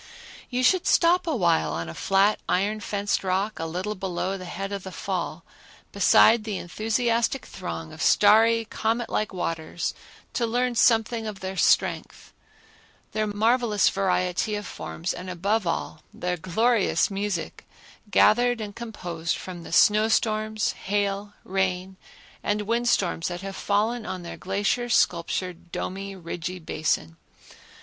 You should stop a while on a flat iron fenced rock a little below the head of the fall beside the enthusiastic throng of starry comet like waters to learn something of their strength, their marvelous variety of forms, and above all, their glorious music, gathered and composed from the snow storms, hail , rain and wind storms that have fallen on their glacier sculptured, domey, ridgy basin.